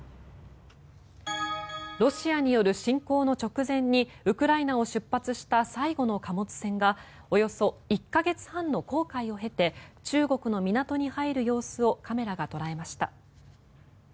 ロシアによる侵攻の直前にウクライナを出発した最後の貨物船がおよそ１か月半の航海を経て中国の港に入る様子をカメラが捉えました。